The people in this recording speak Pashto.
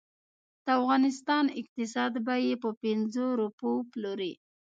د افغانستان اقتصاد به یې په پنځو روپو وپلوري.